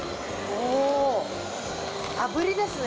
お炙りですね。